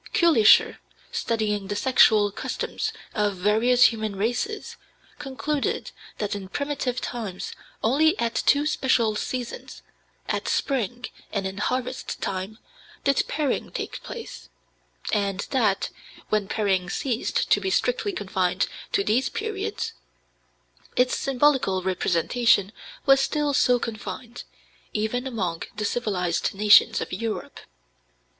Kulischer, studying the sexual customs of various human races, concluded that in primitive times, only at two special seasons at spring and in harvest time did pairing take place; and that, when pairing ceased to be strictly confined to these periods, its symbolical representation was still so confined, even among the civilized nations of Europe.